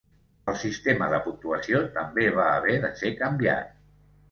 El sistema de puntuació també va haver de ser canviat.